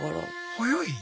早い。